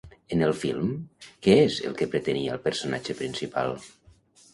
En el film, què és el que pretenia el personatge principal?